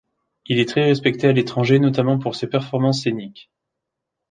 Il est très respecté à l'étranger notamment pour ses performances scéniques.